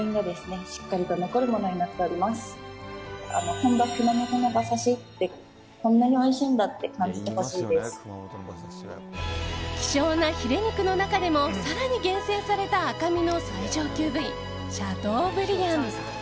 本場・熊本の馬刺しってこんなにおいしいんだって希少なヒレ肉の中でも更に厳選された赤身の最上級部位シャトーブリアン。